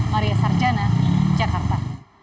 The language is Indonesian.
maria sarjana jakarta